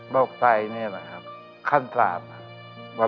ไตนี่แหละครับขั้นตราบครับ